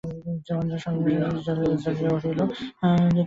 মহেন্দ্রের সর্বশরীর জ্বলিয়া উঠিল।